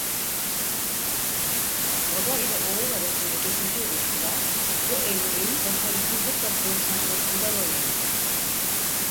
Baba ile oğul arasındaki kötü ilişkiler bu evliliğin başarısızlıkla sonuçlanmasında rol oynamıştır.